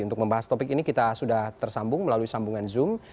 untuk membahas topik ini kita sudah tersambung melalui sambungan zoom